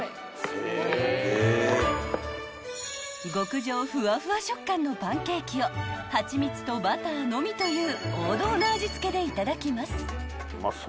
［極上ふわふわ食感のパンケーキを蜂蜜とバターのみという王道の味付けでいただきます］